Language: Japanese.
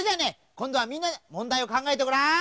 こんどはみんなでもんだいをかんがえてごらん！